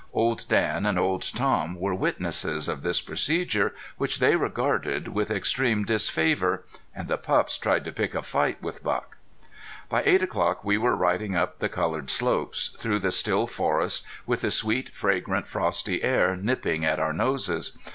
Old Dan and Old Tom were witnesses of this procedure, which they regarded with extreme disfavor. And the pups tried to pick a fight with Buck. By eight o'clock we were riding up the colored slopes, through the still forest, with the sweet, fragrant, frosty air nipping at our noses.